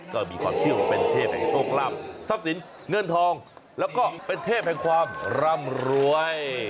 ก็มีความเชื่อว่าเป็นเทพแห่งโชคลาภทรัพย์สินเงินทองแล้วก็เป็นเทพแห่งความร่ำรวย